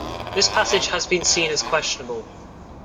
This passage has been seen as questionable.